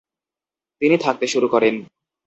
তিনি থাকতে শুরু করেন।